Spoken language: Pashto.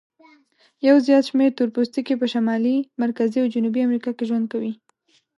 یو زیات شمیر تور پوستکي په شمالي، مرکزي او جنوبي امریکا کې ژوند کوي.